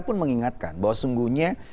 pun mengingatkan bahwa sungguhnya